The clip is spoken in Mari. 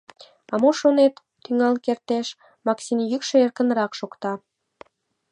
— А мо шонет, тӱҥал кертеш, — Максин йӱкшӧ эркынрак шокта.